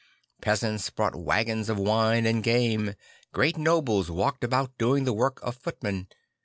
Peasants brought waggons of wine and game; great nobles walked about doing the work of footmen.